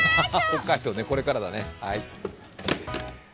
北海道ね、これからだね。